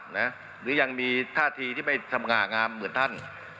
หรือยังมีท่าทีที่ไม่สง่างามเหมือนท่าน